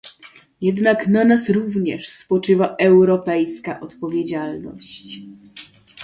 Jednak na nas również spoczywa europejska odpowiedzialność